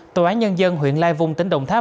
tòa án nhân dân huyện lai vung tỉnh đồng tháp